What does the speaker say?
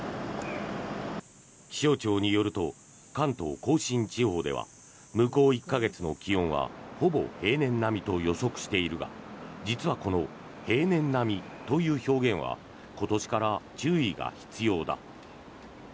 気象庁によると関東・甲信地方では向こう１か月の気温はほぼ平年並みと予測しているが実はこの平年並みという表現は今年から注意が必要だ。